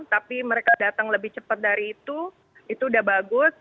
tapi mereka datang lebih cepat dari itu itu udah bagus